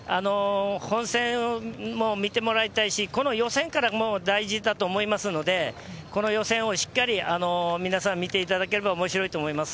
本選も見てもらいたいし、この予選からもう大事だと思いますので、この予選をしっかり皆さん、見ていただければおもしろいと思います。